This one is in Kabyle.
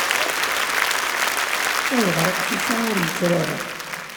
-Ayɣer aqcic-a ur yettru ara.